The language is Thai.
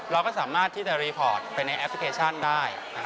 เราก็สามารถที่จะรีพอร์ตไปในแอปพลิเคชันได้